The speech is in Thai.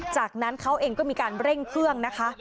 จากนั้นเขาเองก็มีการเร่งเครื่องนะคะ